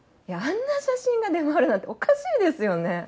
いやあんな写真が出回るなんておかしいですよね。